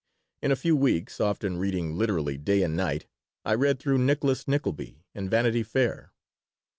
In a few weeks, often reading literally day and night, I read through Nicholas Nickleby and Vanity Fair.